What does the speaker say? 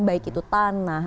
baik itu tanah